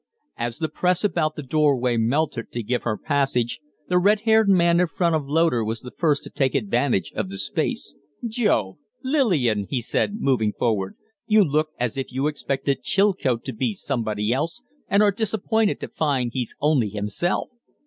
As the press about the door way melted to give her passage, the red haired man in front of Loder was the first to take advantage of the space. "Jove! Lillian," he said, moving forward, "you look as if you expected Chilcote to be somebody else, and are disappointed to find he's only himself!"